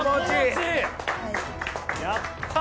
やった！